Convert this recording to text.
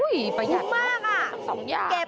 อุ๊ยประหยัดครบ๒อย่างเหมือนสองอย่างคุณมาก